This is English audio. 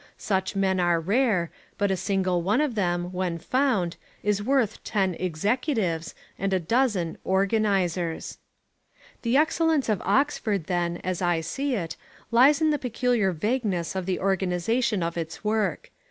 Such men are rare, but a single one of them, when found, is worth ten "executives" and a dozen "organisers." The excellence of Oxford, then, as I see it, lies in the peculiar vagueness of the organisation of its work.